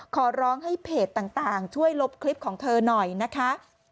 ขอร้องให้เพจต่างช่วยลบคลิปของเธอหน่อยนะคะ